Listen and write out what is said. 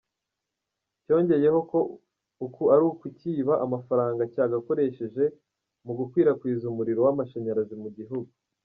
Cyongeyeho ko uku ari ukucyiba amafaranga cyagakoresheje mu gukwirakwiza umuriro w'amashanyarazi mu gihugu.